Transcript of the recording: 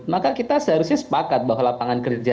maka kita seharusnya sepakat bahwa lapangan kerja